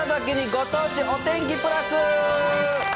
ご当地お天気プラス。